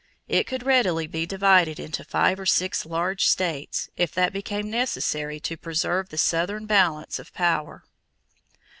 It could readily be divided into five or six large states, if that became necessary to preserve the Southern balance of power.